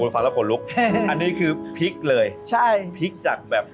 บนฟังแล้วผ่อนรุกอันนี้คือเลยใช่จากแบบ